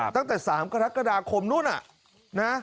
ตั้งแต่๓กรกฎาคมนู้นนะ